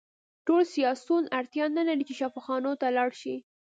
ټول سیاسیون اړتیا نلري چې شفاخانو ته لاړ شي